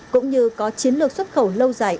cũng như có chiến lược xuất khẩu lâu dài